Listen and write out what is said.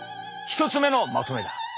１つ目のまとめだ。